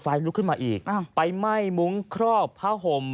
ลุกขึ้นมาอีกไปไหม้มุ้งครอบผ้าห่ม